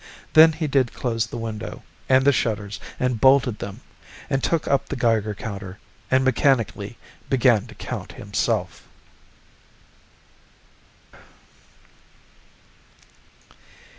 Then he did close the window, and the shutters, and bolted them, and took up the Geiger counter, and mechanically began to count himself.